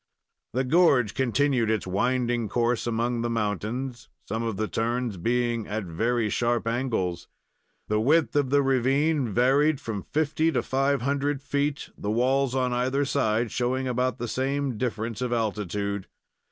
The gorge continued its winding course among the mountains, some of the turns being at very sharp angles. The width of the ravine varied from fifty to five hundred feet, the walls on either side showing about the same difference of altitude.